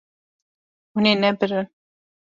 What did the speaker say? Hûn ê nebirin.